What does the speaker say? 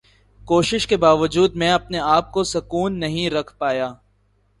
کوشش کے باوجود میں اپنے آپ کو سکون نہیں رکھ پایا۔